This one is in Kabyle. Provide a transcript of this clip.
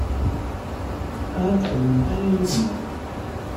Ahat txedmemt aya yid-nneɣ.